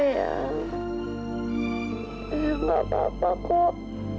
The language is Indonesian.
ayah enggak apa apa pak